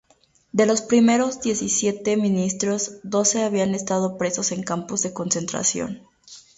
De los primeros diecisiete ministros, doce habían estado presos en campos de concentración.